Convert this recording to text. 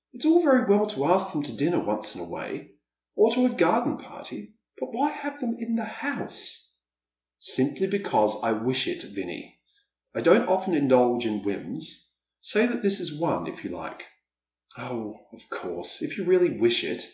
" It's all very well to ask them to dinner once in a way, or to a garden party, but why have them in the house ?"" Simply because I wish it, Vinnie. I don't often indulge in whims. Say that this is one, if you hke." " Oh, of course, if you really wish it.